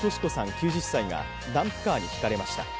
９０歳がダンプカーにひかれました。